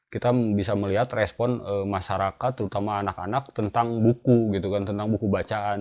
kita bisa melihat respon masyarakat terutama anak anak tentang buku gitu kan tentang buku bacaan